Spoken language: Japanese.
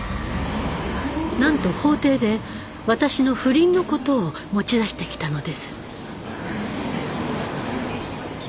なんと法廷で私の不倫のことを持ち出してきたのです。